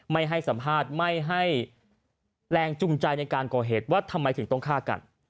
ไม่ให้สัมภาษณ์ไม่ให้แรงจูงใจในการก่อเหตุว่าทำไมถึงต้องฆ่ากัน